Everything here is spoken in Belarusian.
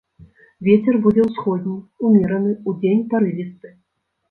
Вецер будзе ўсходні ўмераны, удзень парывісты.